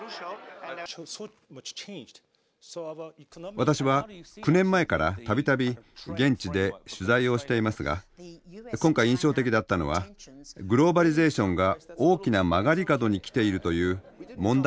私は９年前から度々現地で取材をしていますが今回印象的だったのはグローバリゼーションが大きな曲がり角に来ているという問題意識の高まりでした。